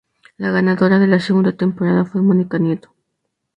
La ganadora de la segunda temporada fue Mónica Nieto.